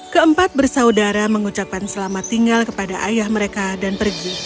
keempat bersaudara mengucapkan selamat tinggal kepada ayah mereka dan pergi